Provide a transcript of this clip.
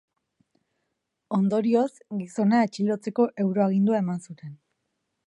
Ondorioz, gizona atxilotzeko euro-agindua eman zuten.